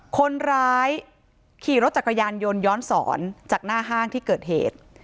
คนร้ายขี่รถจักรยานยนต์ย้อนสอนจากหน้าห้างที่เกิดเหตุ